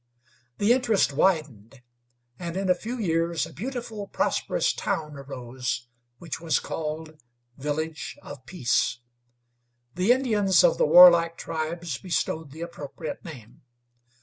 The interest widened, and in a few years a beautiful, prosperous town arose, which was called Village of Peace. The Indians of the warlike tribes bestowed the appropriate name.